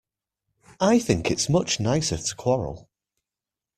I think it's much nicer to quarrel.